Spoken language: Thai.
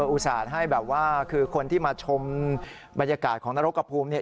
อุตส่าห์ให้แบบว่าคือคนที่มาชมบรรยากาศของนรกกระภูมิเนี่ย